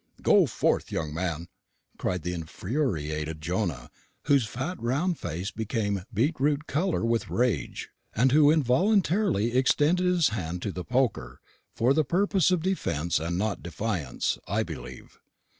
"Go forth, young man!" cried the infuriated Jonah whose fat round face became beet root colour with rage, and who involuntarily extended his hand to the poker for the purpose of defence and not defiance, I believe.